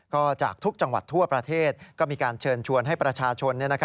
ก็จากทุกจังหวัดทั่วประเทศก็มีการเชิญชวนให้ประชาชน